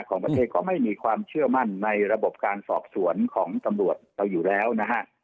ของประเทศก็ไม่มีความเชื่อมั่นในระบบการสอบสวนของตำรวจเราอยู่แล้วนะฮะ